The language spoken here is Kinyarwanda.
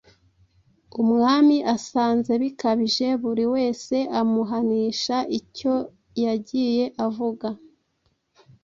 Umwami asanze bikabije, buri wese amuhanisha icyo yagiye avuga.